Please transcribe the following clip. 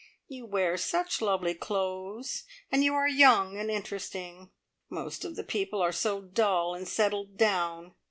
You wear such lovely clothes, and you are young and interesting. Most of the people are so dull and settled down.